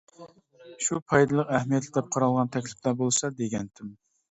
شۇ پايدىلىق، ئەھمىيەتلىك دەپ قارالغان تەكلىپلەر بولسا دېگەنتىم.